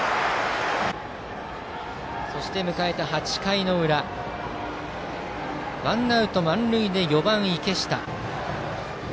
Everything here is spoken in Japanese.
そして迎えた８回の裏ワンアウト満塁で４番、池下。